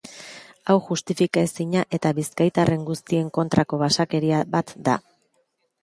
Hau justifikaezina eta bizkaitarren guztien kontrako basakeria bat da.